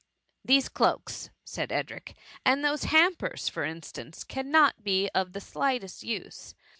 " These cloaks," said Edric, " and those hampers, for instance, cannot be of the slightest use."